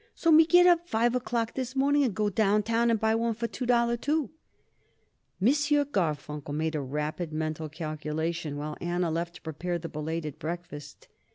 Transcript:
So me get up five o'clock this morning and go downtown and buy one for two dollar, too." M. Garfunkel made a rapid mental calculation, while Anna left to prepare the belated breakfast.